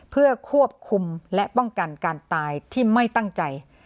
เพื่อควบคุมและป้องกันการตายที่ไม่ตั้งใจ